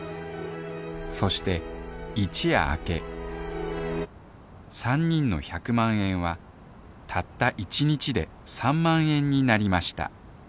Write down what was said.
そして一夜明け３人の１００万円はたった１日で３万円になりました